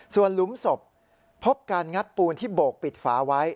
ส่วนหลุมศพพบการงัดปูนที่โบกปิดฝาไว้